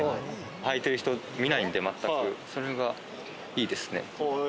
はいてる人、見ないんで全く、それがいいですね。